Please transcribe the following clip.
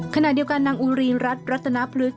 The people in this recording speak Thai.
ขณะเดียวกันนางอุรีรัฐรัตนพฤกษ